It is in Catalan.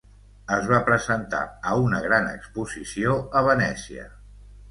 Es va presentar a una gran exposició a Venècia.